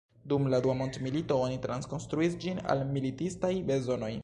Dum la dua mondmilito, oni trakonstruis ĝin al militistaj bezonoj.